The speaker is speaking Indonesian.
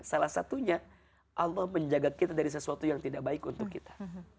salah satunya allah menjaga kita dari sesuatu yang tidak baik untuk kita